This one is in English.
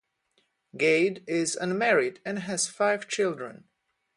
Gade is unmarried and has five children.